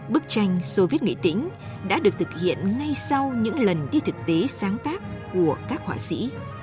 bức tranh soviet nghệ tĩnh đã được thực hiện ngay sau những lần đi thực tế sáng tác của các họa sĩ